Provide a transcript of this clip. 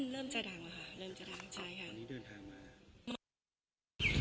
เริ่มจะดังค่ะเริ่มจะดังใช่ค่ะ